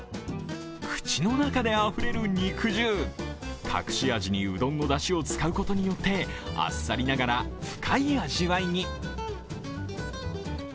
口の中であふれる肉汁隠し味にうどんのだしを使うことによってあっさりながら深い味わいに。